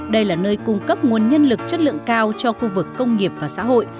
đây là nơi cung cấp nguồn nhân lực chất lượng cao cho khu vực công nghiệp và xã hội